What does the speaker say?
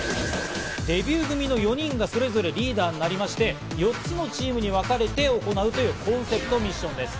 デビュー組の４人がそれぞれリーダーとなりまして、４つのチームに別れて行うというコンセプトミッションです。